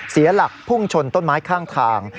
เสียหลักพุ่งชนต้นไม้ข้างทาง